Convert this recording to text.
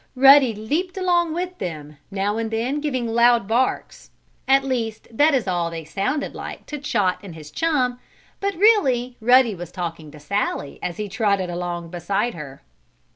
Ruddy leaped along with them, now and then giving loud barks. At least that is all they sounded like to Chot and his chum, but, really, Ruddy was talking to Sallie as he trotted along beside her.